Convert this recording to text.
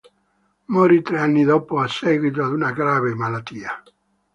Morì tre anni dopo a seguito di una grave malattia.